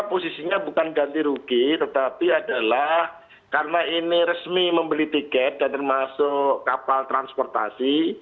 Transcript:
posisinya bukan ganti rugi tetapi adalah karena ini resmi membeli tiket dan termasuk kapal transportasi